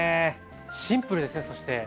シンプルですねそして。